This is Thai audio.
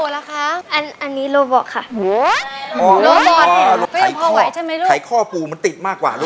และวันนี้คุณจะไม่ได้แค่รางวัล